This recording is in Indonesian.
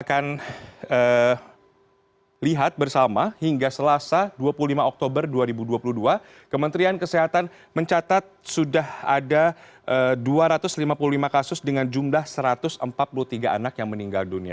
kita akan lihat bersama hingga selasa dua puluh lima oktober dua ribu dua puluh dua kementerian kesehatan mencatat sudah ada dua ratus lima puluh lima kasus dengan jumlah satu ratus empat puluh tiga anak yang meninggal dunia